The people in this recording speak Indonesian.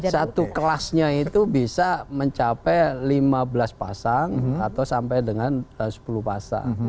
satu kelasnya itu bisa mencapai lima belas pasang atau sampai dengan sepuluh pasang